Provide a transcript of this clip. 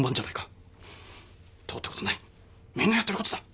どうってことないみんなやってることだ。